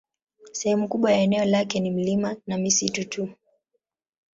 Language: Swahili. Sehemu kubwa ya eneo lake ni milima na misitu tu.